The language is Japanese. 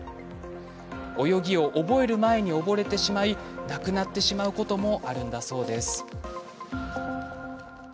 泳ぎを覚える前に溺れてしまい亡くなってしまうこともあるんだそうです。